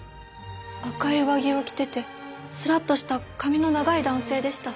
赤い上着を着ててスラッとした髪の長い男性でした。